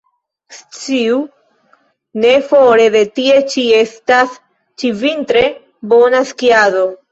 Sciu, ne fore de tie ĉi, estas ĉi-vintre bona skiado.